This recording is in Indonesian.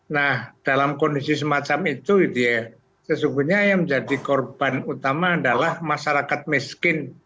nah dalam kondisi semacam itu sesungguhnya yang menjadi korban utama adalah masyarakat miskin